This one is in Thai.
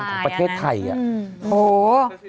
แต่ใหม่